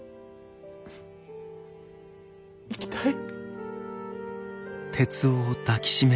生きたい。